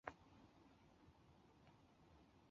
由溴乙醛在干燥溴化氢作用下与乙醇反应得到。